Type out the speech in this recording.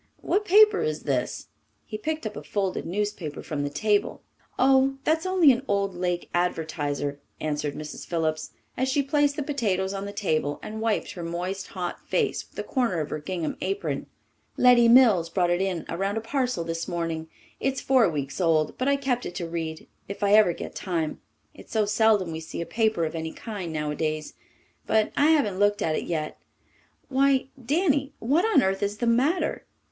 What paper is this?" He picked up a folded newspaper from the table. "Oh, that's only an old Lake Advertiser," answered Mrs. Phillips, as she placed the potatoes on the table and wiped her moist, hot face with the corner of her gingham apron. "Letty Mills brought it in around a parcel this morning. It's four weeks old, but I kept it to read if I ever get time. It's so seldom we see a paper of any kind nowadays. But I haven't looked at it yet. Why, Danny, what on earth is the matter?"